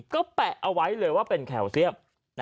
ก็แปะเอาไว้เลยว่าเป็นแคลเซียม